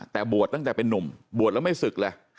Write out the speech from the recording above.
แต่บวชตั้งแต่เป็นนุ่มบวชแล้วไม่ศึกเลย